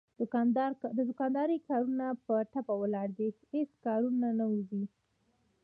د دوکاندارۍ کارونه په ټپه ولاړ دي هېڅ کارونه نه وځي.